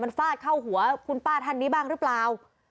ฟาดเข้าหัวคุณป้าท่านนี้บ้างหรือเปล่า